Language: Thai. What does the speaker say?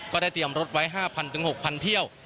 ก็ได้เตรียมรถไว้๕๐๐๖๐๐เที่ยว